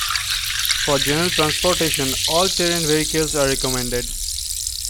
For general transportation all-terrain vehicles are recommended.